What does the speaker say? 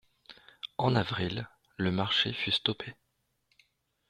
En avril, le marché fut stoppé.